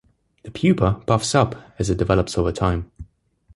The pupa puffs up as it develops over time.